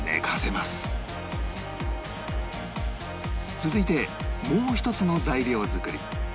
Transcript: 続いてもう一つの材料作り